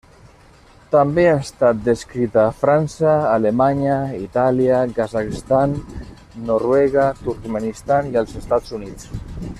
També ha estat descrita a França, Alemanya, Itàlia, Kazakhstan, Noruega, Turkmenistan i als Estats Units.